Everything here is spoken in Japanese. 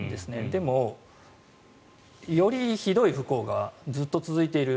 でも、よりひどい不幸がずっと続いている。